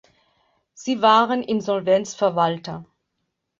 Sie waren Insolvenzverwalter.